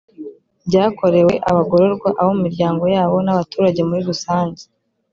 byakorewe abagororwa, abo mu miryango yabo n’abaturage muri rusange